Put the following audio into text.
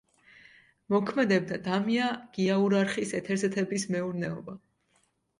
მოქმედებდა დამია-გიაურარხის ეთერზეთების მეურნეობა.